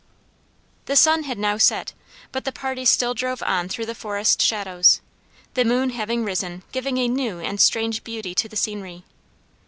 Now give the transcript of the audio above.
The sun had now set, but the party still drove on through the forest shadows; the moon having risen giving a new and strange beauty to the scenery.